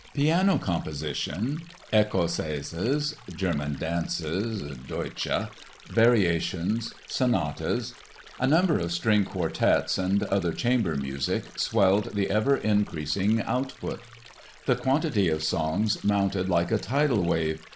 ] Piano composition—Ecossaises, German Dances ("Deutsche"), variations, sonatas—a number of string quartets and other chamber music swelled the ever increasing output. The quantity of songs mounted like a tidal wave.